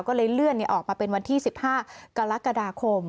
ก็เลยเลื่อนออกมาเป็นวันที่๑๕กรกฎาคม